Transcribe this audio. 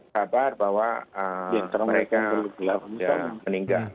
sabar bahwa mereka sudah meninggal